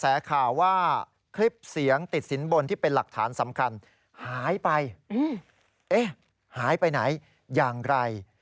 เอ๊ะหายไปไหนอย่างไร